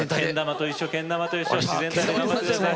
けん玉と一緒自然体で頑張ってください。